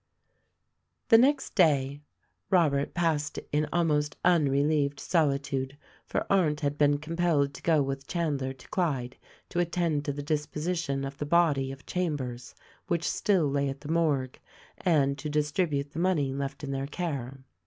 The next day Robert passed in almost unrelieved solitude, for Arndt had been compelled to go with Chandler to Clyde to attend to the disposition of the body of Chambers, which still lay at the morgue, and to distribute the money left in their care.